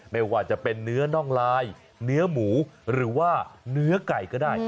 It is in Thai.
ไม่ว่าจะเป็นเนื้อน่องลายเนื้อหมูหรือว่าเนื้อไก่ก็ได้